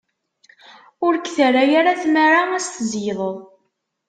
Ur k-terra ara tmara ad s-tzeyydeḍ.